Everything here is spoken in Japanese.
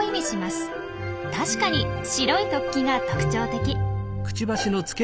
確かに白い突起が特徴的。